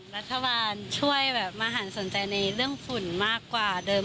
รัฐบาลช่วยแบบมาหันสนใจในเรื่องฝุ่นมากกว่าเดิม